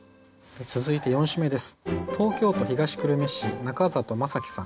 続いて４首目です。